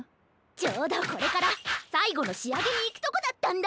ちょうどこれからさいごのしあげにいくとこだったんだ！